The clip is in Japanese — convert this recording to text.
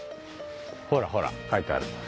ほらほら書いてある。